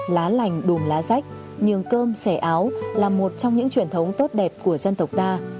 lá lành đùm lá rách nhường cơm xẻ áo là một trong những truyền thống tốt đẹp của dân tộc ta